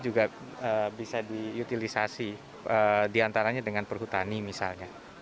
juga bisa diutilisasi diantaranya dengan perhutani misalnya